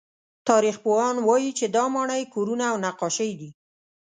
تاریخپوهان وایي چې دا ماڼۍ، کورونه او نقاشۍ دي.